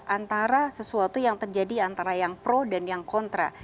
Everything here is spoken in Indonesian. antara sesuatu yang terjadi antara yang pro dan yang kontra